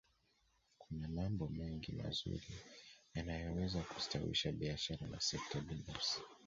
kuna mambo mengi mazuri yanayoweza kustawisha biashara na sekta binafsi